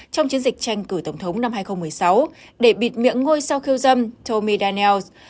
trong chiến dịch tranh cử tổng thống năm hai nghìn một mươi sáu để bịt miệng ngôi sao khiêu dâm tomidanels